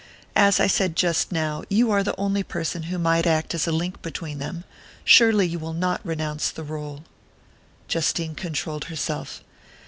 As I said just now, you are the only person who might act as a link between them surely you will not renounce the rôle." Justine controlled herself.